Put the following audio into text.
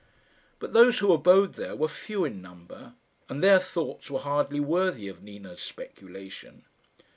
But those who abode there were few in number, and their thoughts were hardly worthy of Nina's speculation.